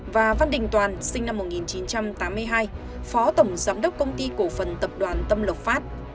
và văn đình toàn sinh năm một nghìn chín trăm tám mươi hai phó tổng giám đốc công ty cổ phần tập đoàn tâm lộc phát